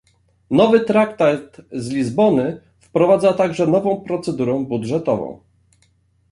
nowy traktat z Lizbony wprowadza także nową procedurę budżetową